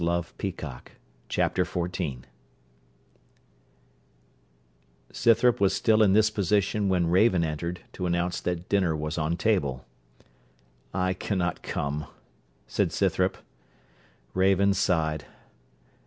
CHAPTER XIV Scythrop was still in this position when Raven entered to announce that dinner was on table. 'I cannot come,' said Scythrop. Raven sighed.